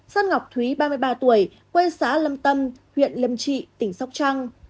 sáu sơn ngọc thúy ba mươi ba tuổi quê ở xã lâm tâm huyện lâm trị tỉnh sóc trăng